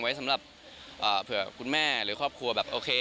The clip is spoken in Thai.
ไว้สำหรับเผื่อคุณแม่หรือครอบครัวแบบโอเค